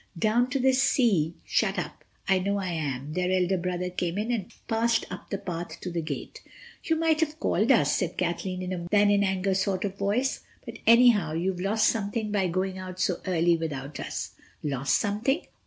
"Down to the sea—shut up, I know I am—" their elder brother came in and passed up the path to the gate. "You might have called us," said Kathleen in a more in sorrow than in anger sort of voice, "but anyhow you've lost something by going out so early without us." "Lost something.